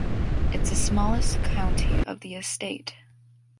It’s the smallest county of the Estate.